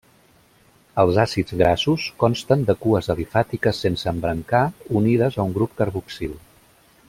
Els àcids grassos consten de cues alifàtiques sense embrancar unides a un grup carboxil.